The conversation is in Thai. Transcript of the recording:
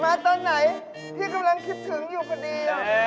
มาตอนไหนที่กำลังคิดถึงอยู่ขนาดนี้